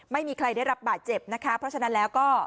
ไม่มีใครได้รับบาดเจ็บนะคะเพราะฉะนั้นแล้วก็